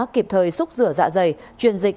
kịp thời xúc rửa dạ dày chuyên dịch